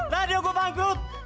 nanti aku bangkrut